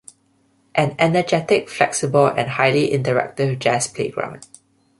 An energetic, flexible and highly interactive jazz playground.